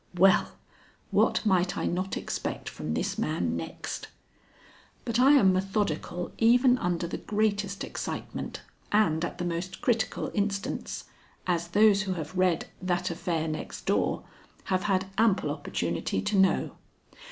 Well, what might I not expect from this man next! But I am methodical even under the greatest excitement and at the most critical instants, as those who have read That Affair Next Door have had ample opportunity to know.